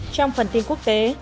trong phần tin quốc tế